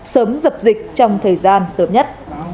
sớm dập dịch trong thời gian sớm nhất